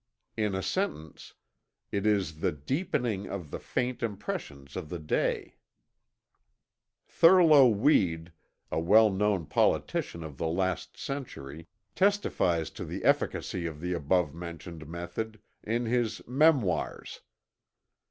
In a sentence: it is the deepening of the faint impressions of the day. Thurlow Weed, a well known politician of the last century, testifies to the efficacy of the above mentioned method, in his "Memoirs."